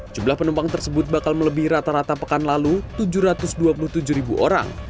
jumlah penumpang tersebut bakal melebih rata rata pekan lalu tujuh ratus dua puluh tujuh ribu orang